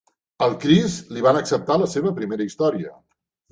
Al Chris li van acceptar la seva primera història.